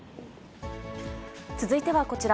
続いてはこちら。